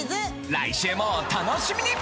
・来週もお楽しみに！